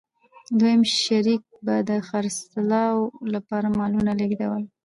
دویم شریک به د خرڅلاو لپاره مالونه لېږدول